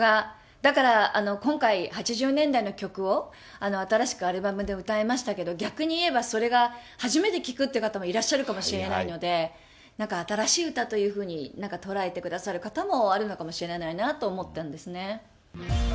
だから今回、８０年代の曲を新しくアルバムで歌いましたけれども、逆に言えばそれが初めて聴くって方もいらっしゃるかもしれないので、なんか新しい歌というふうになんか捉えてくださる方もあるのかもしれないなと思ったんですね。